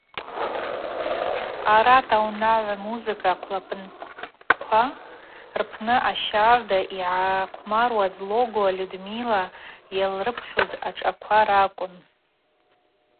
Арат аунагӏва музыка хъвлапынква рпны ащарда йгӏахъвмаруаз Логуа Людмила йалрыпхьуз ашӏаква ракӏвын.